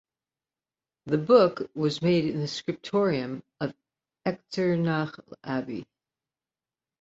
The book was made in the scriptorium of Echternach Abbey.